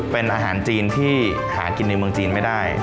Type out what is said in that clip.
เป็นอาหารจีนที่หากินในเมืองจีนไม่ได้